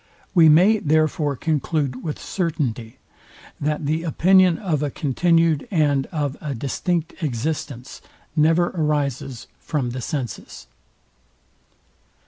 We may, therefore, conclude with certainty, that the opinion of a continued and of a distinct existence never arises from the senses.